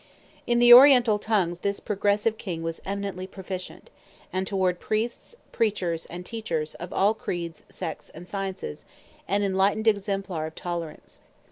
In the Oriental tongues this progressive king was eminently proficient; and toward priests, preachers, and teachers, of all creeds, sects, and sciences, an enlightened exemplar of tolerance.